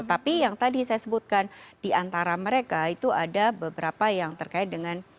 tapi yang tadi saya sebutkan diantara mereka itu ada beberapa yang terkait dengan